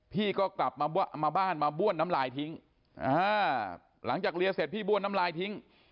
พี่ก็กลับมาบ้านมาบ้วนน้ำลายทิ้งหลังจากเลียเสร็จพี่บ้วนน้ำลายทิ้ง